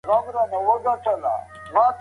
لیکوال د دې لامل تشریح کوي.